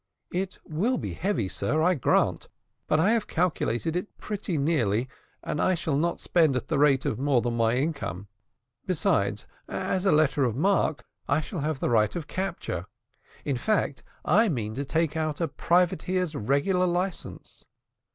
"It will be heavy, sir, I grant; but I have calculated it pretty nearly, and I shall not spend at the rate of more than my income. Besides, as letter of marque, I shall have the right of capture; in fact, I mean to take out a privateer's regular licence."